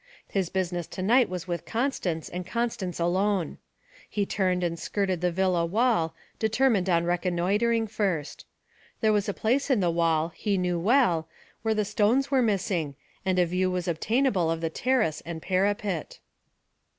His business to night was with Constance, and Constance alone. He turned and skirted the villa wall, determined on reconnoitring first. There was a place in the wall he knew well where the stones were missing, and a view was obtainable of the terrace and parapet.